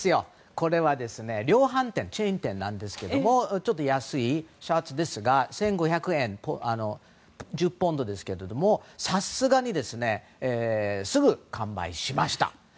これは量販店なんですけどちょっと安いシャツで１５００円１０ポンドくらいですがさすがに、すぐ完売しました。